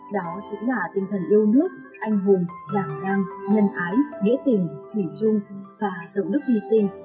đó chính là tinh thần yêu nước anh hùng đảng đăng nhân ái nghĩa tình thủy chung và dẫu đức hy sinh